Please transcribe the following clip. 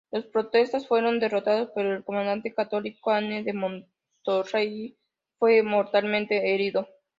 Los protestantes fueron derrotados, pero el comandante católico Anne de Montmorency fue mortalmente herido.